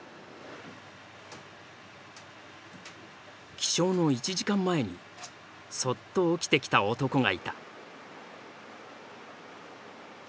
起床の１時間前にそっと起きてきた男がいた。